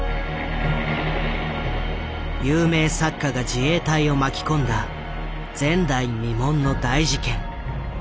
有名作家が自衛隊を巻き込んだ前代未聞の大事件。